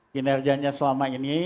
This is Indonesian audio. kinerjanya selama ini